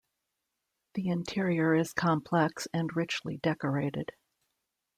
The interior is complex and richly decorated.